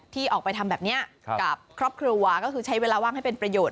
ที่ออกไปทำแบบนี้กับครอบครัวก็คือใช้เวลาว่างให้เป็นประโยชน